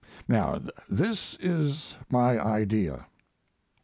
Now this is my idea: 1.